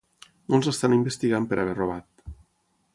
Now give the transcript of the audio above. No els estan investigant per haver robat.